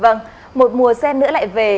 vâng một mùa sen nữa lại về